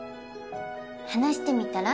話してみたら？